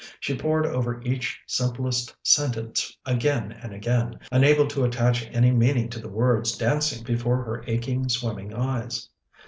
She pored over each simplest sentence again and again, unable to attach any meaning to the words dancing before her aching, swimming eyes.